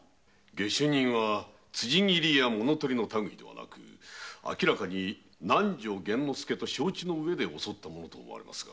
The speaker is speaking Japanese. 下手人は辻斬りや物盗りではなく明らかに南条幻之介と承知して襲ったものと思われますが。